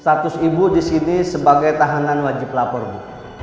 status ibu disini sebagai tahanan wajib lapor bu